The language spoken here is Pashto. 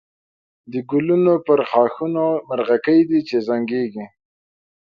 د گلونو پر ښاخونو مرغکۍ دی چی زنگېږی